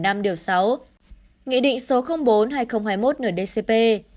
nghị định số bốn hai nghìn hai mươi một ngờ dcp